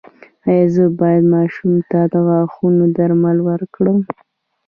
ایا زه باید ماشوم ته د غاښونو درمل ورکړم؟